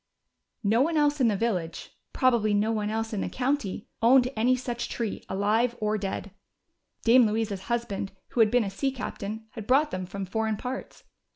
No one else in the village, probably no one else 26 o THE CHILDREN'S WONDER BOOK. in the county, owned any such tree, alive or dead. Dame Louisa's husband, who had been a sea captain, had brought them from foreign parts.